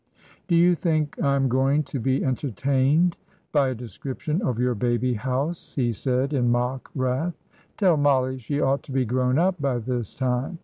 "Do you think I am going to be entertained by a description of your baby house?" he said, in mock wrath. "Tell Mollie she ought to be grown up by this time."